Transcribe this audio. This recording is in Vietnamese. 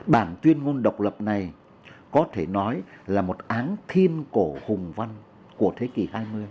bản tuyên ngôn độc lập này có thể nói là một áng thiên cổ hùng văn của thế kỷ hai mươi